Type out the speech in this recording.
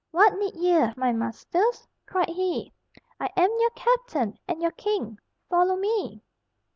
"What need ye, my masters?" cried he. "I am your captain and your king. Follow me."